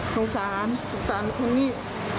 สงสารสงสารคนนี้